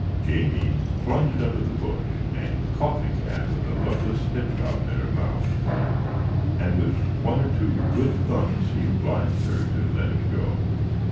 Jamie plunged under the bush, and caught the cat with luckless Tip Top in her mouth; and, with one or two good thumps, he obliged her to let him go.